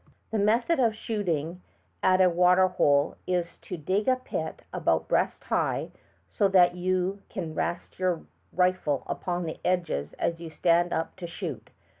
215 The method of shooting at a water hole is to dig a pit about breast high, so that you can rest your rifle upon the edge as you stand up to shoot.